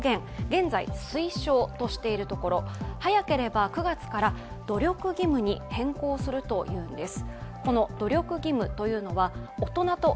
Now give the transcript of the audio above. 現在、推奨としているところ早ければ９月から努力義務に変更するというんです。